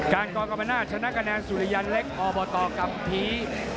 การก่อกลับมาหน้าชนะกระแนนสุริยันเล็กอบตกัมภีร์